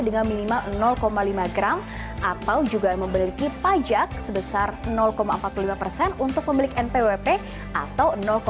dengan minimal lima gram atau juga memiliki pajak sebesar empat puluh lima persen untuk pemilik npwp atau